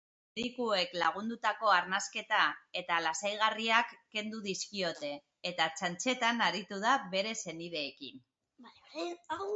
Medikuek lagundutako arnasketa eta lasaigarriak kendu dizkiote eta txantxetan aritu da bere senideekin.